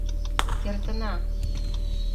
Кертына!..